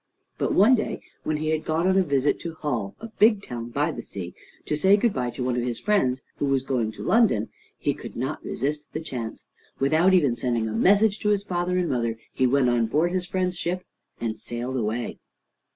But one day when he had gone on a visit to Hull, a big town by the sea, to say good by to one of his friends who was going to London, he could not resist the chance. Without even sending a message to his father and mother, he went on board his friend's ship, and sailed away.